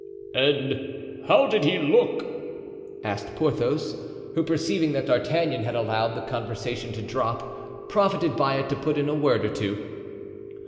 "And how did he look?" asked Porthos, who, perceiving that D'Artagnan had allowed the conversation to drop, profited by it to put in a word or two.